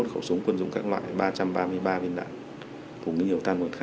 hai mươi một khẩu súng quân dụng các loại ba trăm ba mươi ba viên đạn cũng như nhiều tăng nguồn khác